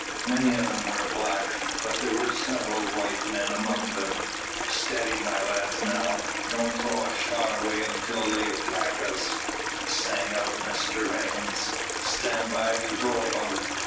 Many of them were blacks, but there were several white men among them. "Steady, my lads, now. Don't throw a shot away till they attack us," sang out Mr Evans. "Stand by to go about."